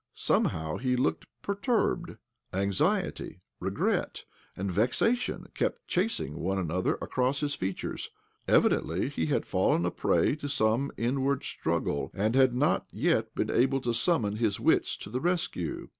Somehow he looked perturbed ; anxiety, regret, and vexation kept chasing one another across his features. Evidently he had ' fallen a prey to some inward struggle, and had not yet, been able to summon his wits to the rescue.